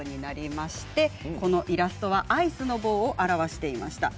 このイラストはアイスの棒を表していました。